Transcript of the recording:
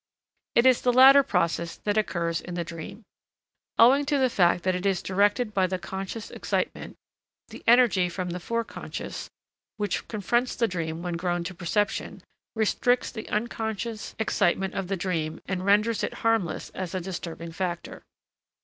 It is the latter process that occurs in the dream. Owing to the fact that it is directed by the conscious excitement, the energy from the Forec., which confronts the dream when grown to perception, restricts the unconscious excitement of the dream and renders it harmless as a disturbing factor.